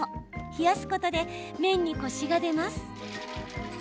冷やすことで麺にコシが出ます。